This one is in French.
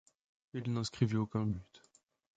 Il n'inscrivit aucun but.